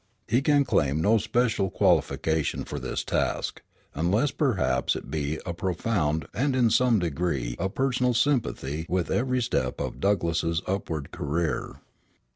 He can claim no special qualification for this task, unless perhaps it be a profound and in some degree a personal sympathy with every step of Douglass's upward career.